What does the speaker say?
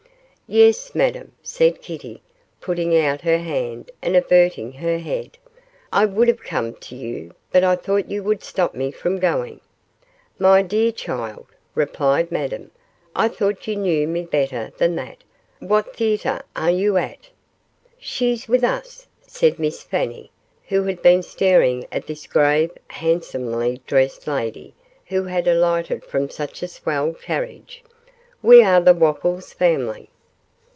'Yes, Madame,' said Kitty, putting out her hand and averting her head, 'I would have come to you, but I thought you would stop me from going.' 'My dear child,' replied Madame, 'I thought you knew me better than that; what theatre are you at?' 'She's with us,' said Miss Fanny, who had been staring at this grave, handsomely dressed lady who had alighted from such a swell carriage; 'we are the Wopples Family.